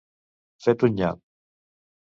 Fet un nyap.